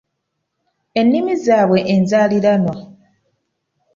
Ennimi zaabwe enzaaliranwa.